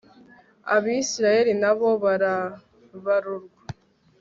abayisraheli na bo barabarurwa